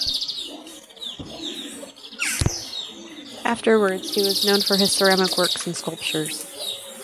Afterwards, he was known for his ceramic works and sculptures.